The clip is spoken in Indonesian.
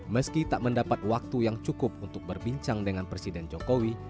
meski tak mendapat waktu yang cukup untuk berbincang dengan presiden jokowi